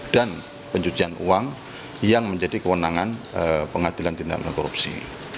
dan pencucian uang yang menjadi kewenangan pengadilan tindak benar korupsi